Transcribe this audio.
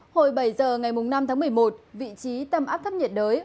hồi bảy giờ ngày năm tháng một mươi một vị trí tâm áp thấp nhiệt đới